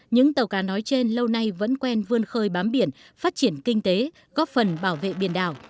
những tàu cá nói trên lâu nay vẫn quen vươn khơi bám biển phát triển kinh tế góp phần bảo vệ biển đảo